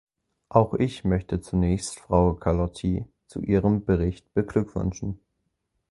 Auch ich möchte zunächst Frau Carlotti zu ihrem Bericht beglückwünschen.